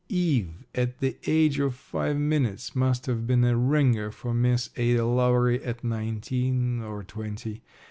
Eve at the age of five minutes must have been a ringer for Miss Ada Lowery at nineteen or twenty.